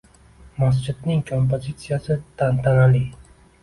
Masjidning kompozitsiyasi tantanali